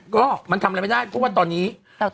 ก็มันทำอะไรไม่ได้เพราะว่าตอนนี้